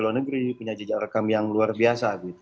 luar negeri punya jejak rekam yang luar biasa